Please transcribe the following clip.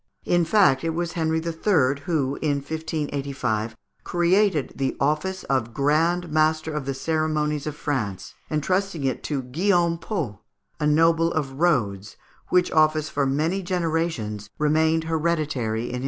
In fact, it was Henri III. who, in 1585, created the office of Grand Master of the Ceremonies of France, entrusting it to Guillaume Pot, a noble of Rhodes, which office for many generations remained hereditary in his family.